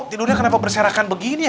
tidurnya kenapa berserakan begini